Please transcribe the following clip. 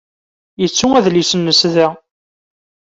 Yettu adlis-nnes da.